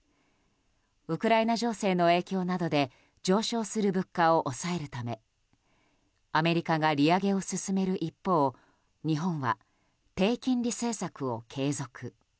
ウクライナ情勢の影響などで上昇する物価を抑えるためアメリカが利上げを進める一方日本は低金利政策を継続。